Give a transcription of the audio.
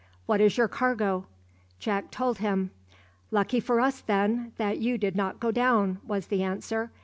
"What is your cargo?" Jack told him. "Lucky for us, then, that you did not go down," was the answer.